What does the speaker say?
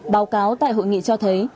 báo cáo tại hội nghị cho thấy